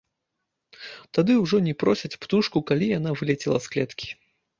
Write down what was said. Тады ўжо не просяць птушку, калі яна вылецела з клеткі.